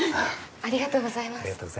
ありがとうございます。